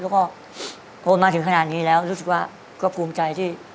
แล้วก็โอนมาถึงขนาดนี้แล้วรู้สึกว่าก็ภูมิใจที่